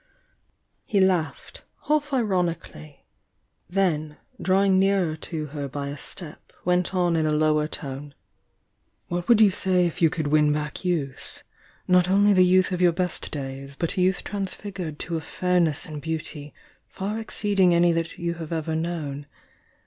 He laughed, half ironically, — then drawing nearer to her by a step, went on in a lower tone: "What would you say if you could win back youth? — not only the youth of your best days, but a youth transfigured to a fairness and beauty far exceeding any that you have ever known?